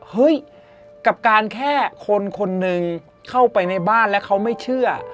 เฮ้ยกับการแค่คนคนหนึ่งเข้าไปในบ้านแล้วเขาไม่เชื่อ